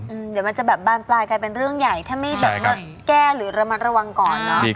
เดี๋ยวมันจะแบบบานปลายกลายเป็นเรื่องใหญ่ถ้าไม่แบบว่าแก้หรือระมัดระวังก่อนเนอะ